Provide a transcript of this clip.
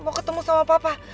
mau ketemu sama papa